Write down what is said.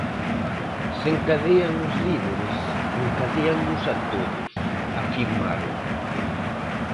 "Se encadean os líderes, encadéannos a todos", afirmaron.